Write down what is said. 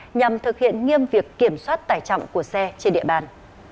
công an thực hiện nghiêm việc kiểm soát tải trọng của xe trên địa bàn